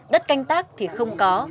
đất canh tác thì không có